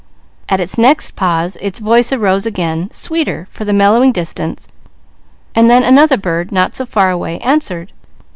At its next pause its voice arose again, sweeter for the mellowing distance, and then another bird, not so far away, answered.